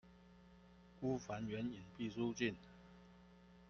孤帆遠影畢書盡